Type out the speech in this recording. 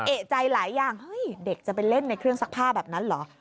เอกใจหลายอย่างเฮ้ยเด็กจะไปเล่นในเครื่องซักผ้าแบบนั้นเหรอ